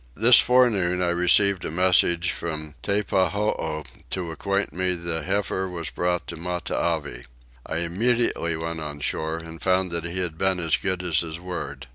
This forenoon I received a message from Teppahoo to acquaint me the heifer was brought to Matavai. I immediately went on shore and found that he had been as good as his word.